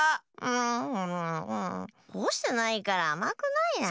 んんんほしてないからあまくないな。